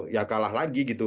ya kalah lagi gitu